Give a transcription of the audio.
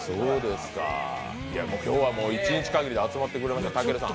今日は一日かぎりで集まってくれました、たけるさん。